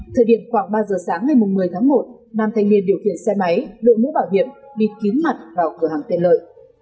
thời điểm khoảng ba giờ sáng ngày một mươi tháng một nam thanh niên điều khiển xe máy đội mũ bảo hiểm bịt kín mặt vào cửa hàng tiện lợi